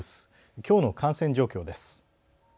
きょうの感染状況です。